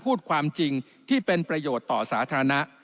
พูดความจริงที่เป็นประโยชน์ต่อสาธารณะ